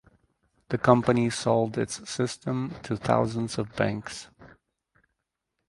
The company sold its system to thousands of banks.